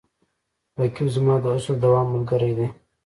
رقیب زما د هڅو د دوام ملګری دی